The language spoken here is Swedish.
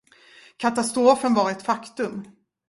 Katastrofen var ett faktum.